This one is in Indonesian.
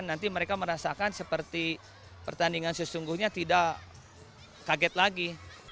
nanti mereka merasakan seperti pertandingan sesungguhnya tidak kaget lagi